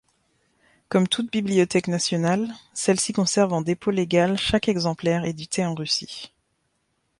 Comme toute bibliothèque nationale, celle-ci conserve en dépôt légal chaque exemplaire édité en Russie.